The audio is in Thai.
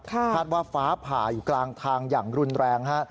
คาดว่าฟ้าผ่าอยู่กลางทางอย่างรุนแรงฮะ